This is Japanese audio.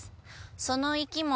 その生き物